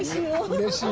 うれしい。